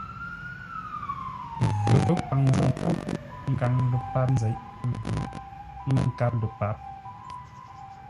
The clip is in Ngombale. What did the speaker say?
Ghəpə́ kwaŋ záp ńgó ngaŋ ləpar nzeʼ ghʉ̌ ŋə́ nkâp lə́ páp.